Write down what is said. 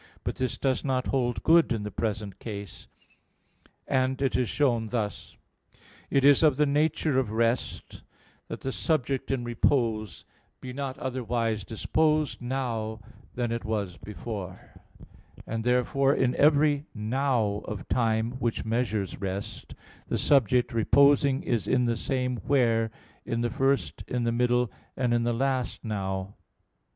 But this does not hold good in the present case; and it is shown thus. It is of the nature of rest that the subject in repose be not otherwise disposed now than it was before: and therefore in every "now" of time which measures rest, the subject reposing is in the same "where" in the first, in the middle, and in the last "now."